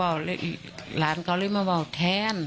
ไม่รู้จริงว่าเกิดอะไรขึ้น